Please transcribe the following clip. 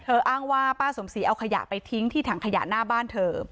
อ้างว่าป้าสมศรีเอาขยะไปทิ้งที่ถังขยะหน้าบ้านเธอ